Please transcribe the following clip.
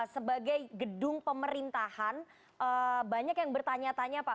sebagai gedung pemerintahan banyak yang bertanya tanya pak